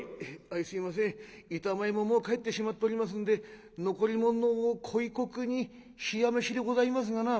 「相すいません板前ももう帰ってしまっておりますんで残り物のこいこくに冷や飯でございますがな」。